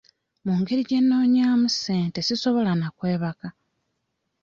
Mu ngeri gye nnoonyaamu ssente sisobola na kwebaka.